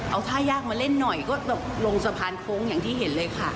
เอาท่ายากมาเล่นหน่อยก็ลงสะพานโค้งอย่างที่เห็นเลยค่ะ